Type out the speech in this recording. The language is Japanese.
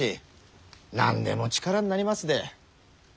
何でも力になりますで。